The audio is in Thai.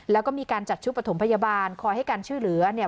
แล้วก็มีการจัดชุดประถมพยาบาลคอยให้การช่วยเหลือเนี่ย